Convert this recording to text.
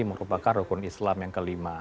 merupakan rukun islam yang kelima